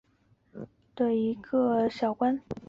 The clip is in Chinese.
早年任小金门守备师副连长与陆军官校教官。